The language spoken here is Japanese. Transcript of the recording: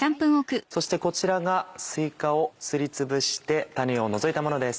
そしてこちらがすいかをすりつぶして種を除いたものです。